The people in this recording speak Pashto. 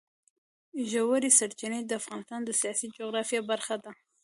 ژورې سرچینې د افغانستان د سیاسي جغرافیه برخه ده.